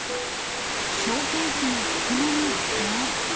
ショーケースの隙間に移動。